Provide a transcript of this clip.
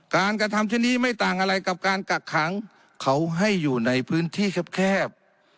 กระทำเช่นนี้ไม่ต่างอะไรกับการกักขังเขาให้อยู่ในพื้นที่แคบ